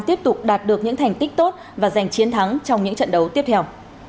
tiếp tục đạt được những thành tích tốt và giành chiến thắng trong những trận đấu tiếp theo